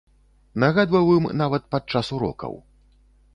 Нагадваў ім нават падчас урокаў.